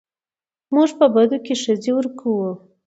موږ په بدو کې ښځې ورکوو